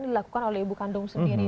dilakukan oleh ibu kandung sendiri